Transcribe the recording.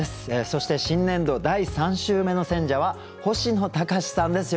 そして新年度第３週目の選者は星野高士さんです。